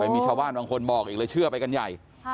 มีชาวบ้านบางคนบอกอีกเลยเชื่อไปกันใหญ่